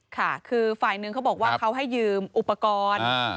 ค่ะคือฝ่ายหนึ่งเขาบอกว่าเขาให้ยืมอุปกรณ์